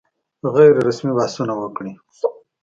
غیر رسمي بحثونه وکړي.